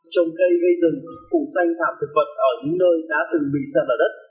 trồng cây gây rừng phủ xanh thảm thực vật ở những nơi đã từng bị sạt lở đất